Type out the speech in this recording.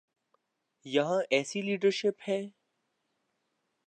یہاں ایسی لیڈرشپ ہے؟